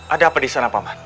ada apa di sana paman